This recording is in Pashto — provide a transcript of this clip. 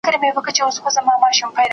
نعمان بن بشير رضي الله عنهما فرمايي.